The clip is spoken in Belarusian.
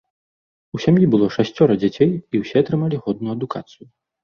У сям'і было шасцёра дзяцей, і ўсе атрымалі годную адукацыю.